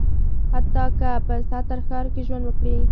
حتی که په ستر ښار کې ژوند وکړي.